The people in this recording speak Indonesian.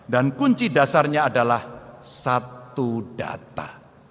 dan kunci dasarnya adalah satu data